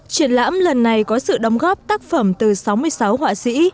triển lãm lần này có sự đóng góp tác phẩm từ sáu mươi sáu họa sĩ